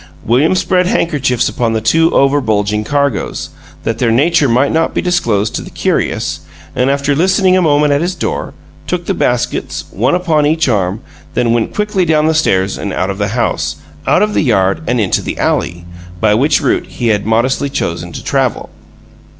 William spread handkerchiefs upon the two over bulging cargoes, that their nature might not be disclosed to the curious, and, after listening a moment at his door, took the baskets, one upon each arm, then went quickly down the stairs and out of the house, out of the yard, and into the alley by which route he had modestly chosen to travel.